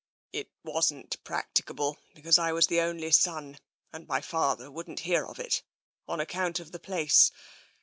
" It wasn't practicable because I was the only son, and my father wouldn't hear of it, on account of the place.